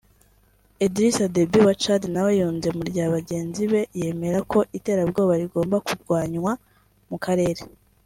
Idriss Deby wa Tchad nawe yunze mu rya bagenzi be yemera ko iterabwoba rigomba kurwanywa mu karere